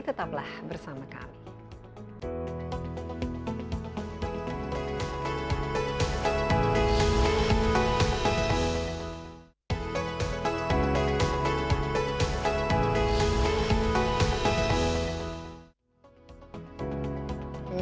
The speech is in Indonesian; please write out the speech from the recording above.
tetaplah bersama kami